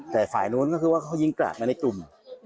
แต่ฝ่ายนู้นก็คือว่าเขายิงกราดมาในกลุ่ม